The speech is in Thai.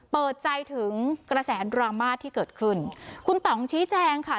เปิดใจถึงกระแสดราม่าที่เกิดขึ้นคุณต่องชี้แจงค่ะ